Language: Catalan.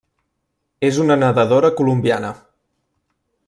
És una nedadora colombiana.